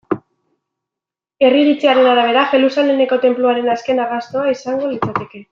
Herri iritziaren arabera, Jerusalemeko Tenpluaren azken arrastoa izango litzateke.